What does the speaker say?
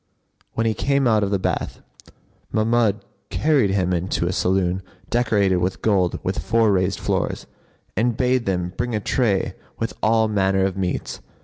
When he came out of the bath, Mahmud carried him into a saloon decorated with gold with four raised floors, and bade them bring a tray with all manner of meats.